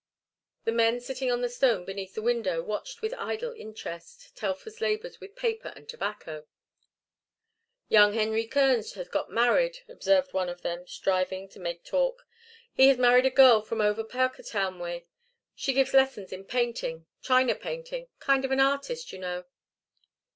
The men sitting on the stone beneath the window watched with idle interest Telfer's labours with paper and tobacco. "Young Henry Kerns has got married," observed one of them, striving to make talk. "He has married a girl from over Parkertown way. She gives lessons in painting china painting kind of an artist, you know."